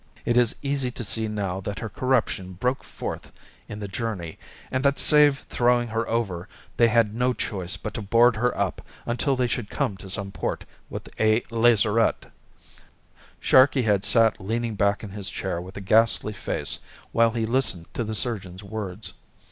It is easy to see now that her corruption broke forth in the journey, and that save throwing her over they had no choice but to board her up until they should come to some port with a lazarette." Sharkey had sat leaning back in his chair with a ghastly face while he listened to the surgeon's words.